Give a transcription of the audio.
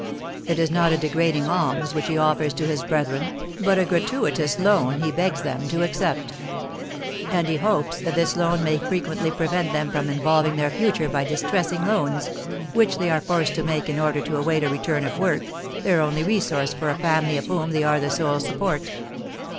It is not a degrading alms which he offers to his brethren, but a gratuitous loan he begs them to accept. And he hopes that this loan may frequently prevent them from involving their future by distressing loans, which they are forced to make in order to await a return of work, their only resource for a family of whom they are the sole support.